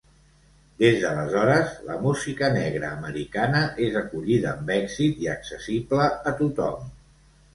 Des d'aleshores, la música negra americana és acollida amb èxit i accessible a tothom.